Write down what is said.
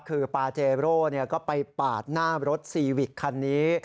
คือปาเจโรสีดำคันก็ไปปาดหน้ารถซีวิคคันนี้